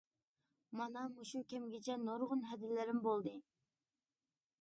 مانا مۇشۇ كەمگىچە نۇرغۇن ھەدىلىرىم بولدى.